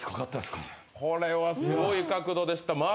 これはすごい角度でした。